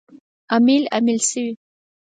امیل، امیل شوی